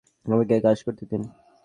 আমাকে আমার কাজ করতে দিন!